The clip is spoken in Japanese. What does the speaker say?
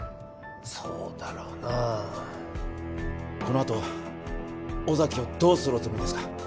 そうだろうなあこのあと尾崎をどうするおつもりですか？